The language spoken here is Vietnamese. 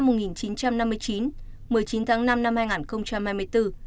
một mươi chín tháng năm năm một nghìn chín trăm năm mươi chín một mươi chín tháng năm năm hai nghìn hai mươi bốn